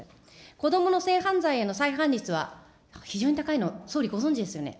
子どもの性犯罪への再犯率は非常に高いのを総理ご存じですよね。